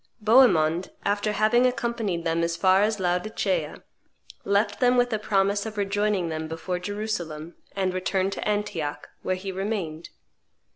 Bohemond, after having accompanied them as far as Laodicea, left them with a promise of rejoining them before Jerusalem, and returned to Antioch, where he remained.